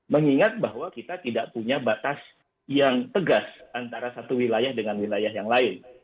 mengingat bahwa kita tidak punya batas yang tegas antara satu wilayah dengan wilayah yang lain